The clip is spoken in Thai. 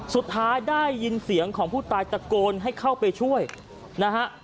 สุดท้ายได้ยินเสียงของผู้ตายตะโกนให้เข้าไปช่วยนะฮะ